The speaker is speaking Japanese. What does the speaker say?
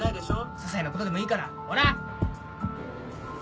ささいなことでもいいからほら。